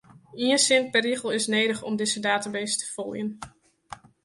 Ien sin per rigel is nedich om dizze database te foljen.